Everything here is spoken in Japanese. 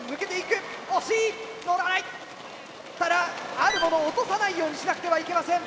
ただあるものを落とさないようにしなくてはいけません